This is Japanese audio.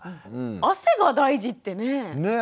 汗が大事ってね。ね！